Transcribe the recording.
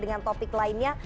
dengan topik lainnya